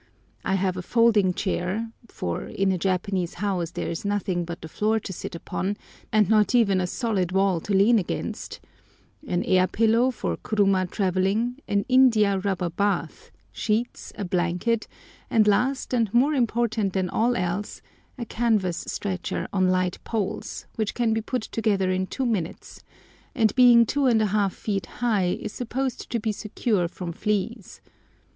I have a folding chair—for in a Japanese house there is nothing but the floor to sit upon, and not even a solid wall to lean against—an air pillow for kuruma travelling, an india rubber bath, sheets, a blanket, and last, and more important than all else, a canvas stretcher on light poles, which can be put together in two minutes; and being 2½ feet high is supposed to be secure from fleas.